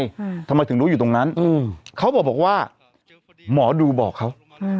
อืมทำไมถึงรู้อยู่ตรงนั้นอืมเขาบอกว่าหมอดูบอกเขาอืม